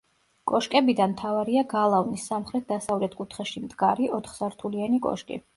კოშკებიდან მთავარია გალავნის სამხრეთ-დასავლეთ კუთხეში მდგარი, ოთხსართულიანი კოშკი.